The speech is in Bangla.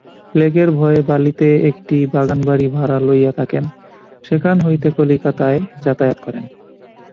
প্লেগের ভয়ে বালিতে একটি বাগানবাড়ি ভাড়া লইয়া থাকেন, সেখান হইতে কলিকাতায় যাতায়াত করেন।